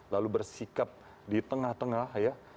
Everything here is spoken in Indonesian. lalu bersikap di tengah tengah ya